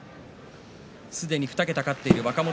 すでに２桁勝っている若元